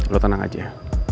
lo tenang aja